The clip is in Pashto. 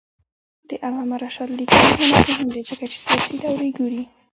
د علامه رشاد لیکنی هنر مهم دی ځکه چې سیاسي دورې ګوري.